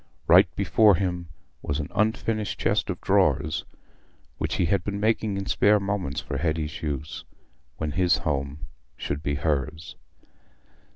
Right before him was an unfinished chest of drawers, which he had been making in spare moments for Hetty's use, when his home should be hers.